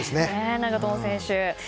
長友選手。